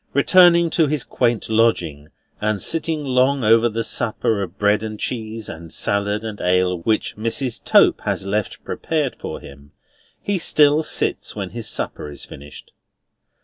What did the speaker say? Returning to his quaint lodging, and sitting long over the supper of bread and cheese and salad and ale which Mrs. Tope has left prepared for him, he still sits when his supper is finished.